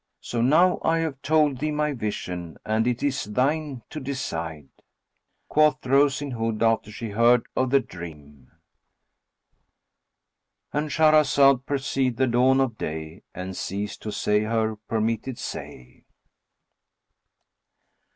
So now I have told thee my vision and it is thine to decide." Quoth Rose in Hood, after she heard of the dream,—And Shahrazad perceived the dawn of day and ceased to say her permitted say.